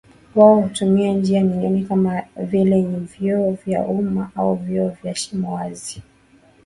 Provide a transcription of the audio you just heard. Wao hutumia njia nyingine kama vile vyoo vya umma au vyoo vya shimo wazi